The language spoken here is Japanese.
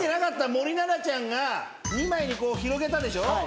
森七菜ちゃんが２枚に広げたでしょ？